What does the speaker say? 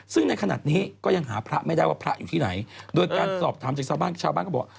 ซึ่งในขณะนี้ก็ยังหาพระไม่ได้ว่าพระอยู่ที่ไหนโดยการสอบถามจากชาวบ้านชาวบ้านก็บอก